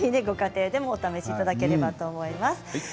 ご家庭でお楽しみいただければと思います。